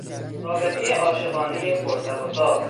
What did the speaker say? رابطهی عاشقانهی پر تب و تاب